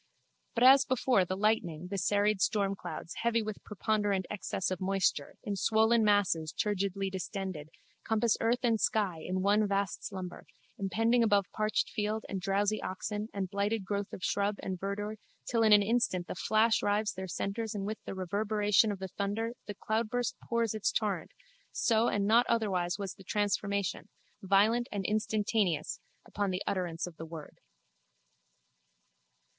But as before the lightning the serried stormclouds, heavy with preponderant excess of moisture, in swollen masses turgidly distended, compass earth and sky in one vast slumber, impending above parched field and drowsy oxen and blighted growth of shrub and verdure till in an instant a flash rives their centres and with the reverberation of the thunder the cloudburst pours its torrent, so and not otherwise was the transformation, violent and instantaneous, upon the utterance of the word.